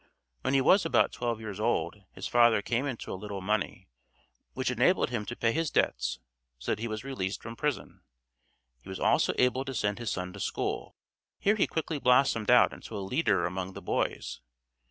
When he was about twelve years old his father came into a little money, which enabled him to pay his debts so that he was released from prison. He was also able to send his son to school. Here he quickly blossomed out into a leader among the boys.